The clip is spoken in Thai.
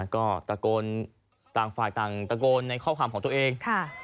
ก็ตะโกนต่างฝ่ายต่างตะโกนในข้อความของตัวเอง